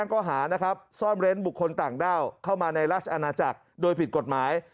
ก็หานะครับซ่อนเร้นบุคคลต่างด้าวเข้ามาในราชอาณาจักรโดยผิดกฎหมาย